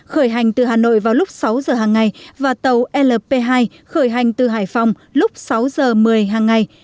khởi hành từ hà nội vào lúc sáu giờ hàng ngày và tàu lp hai khởi hành từ hải phòng lúc sáu giờ một mươi hàng ngày